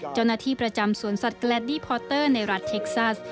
เจ้าหน้าที่ประจำสวนสัตว์แกรดดี้พอเตอร์ในรัฐเท็กซัส